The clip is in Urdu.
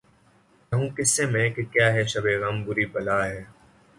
کہوں کس سے میں کہ کیا ہے شب غم بری بلا ہے